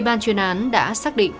ban chuyên án đã xác định